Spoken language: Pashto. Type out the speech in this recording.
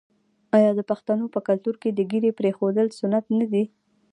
آیا د پښتنو په کلتور کې د ږیرې پریښودل سنت نه دي؟